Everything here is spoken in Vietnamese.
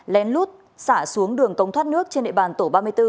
lén lút xả xuống đường cống thoát nước trên địa bàn tổ ba mươi bốn